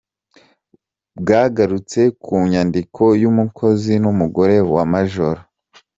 Bwagarutse ku nyandiko y’umukozi n’umugore wa Maj.